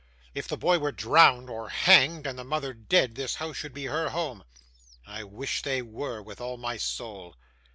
If the boy were drowned or hanged, and the mother dead, this house should be her home. I wish they were, with all my soul.